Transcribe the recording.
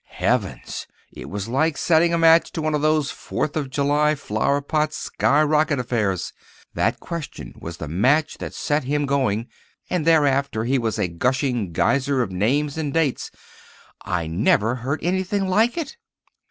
Heavens! It was like setting a match to one of those Fourth of July flower pot sky rocket affairs. That question was the match that set him going, and thereafter he was a gushing geyser of names and dates. I never heard anything like it.